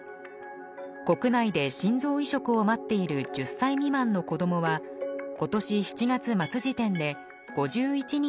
国内で心臓移植を待っている１０歳未満の子どもは今年７月末時点で５１人います。